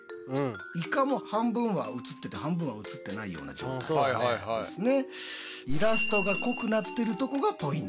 いかも半分は映ってて半分は映ってないような状態ですね。